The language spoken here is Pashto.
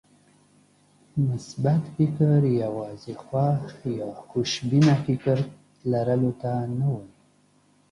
مثبت فکر يوازې خوښ يا خوشبينه فکر لرلو ته نه وایي.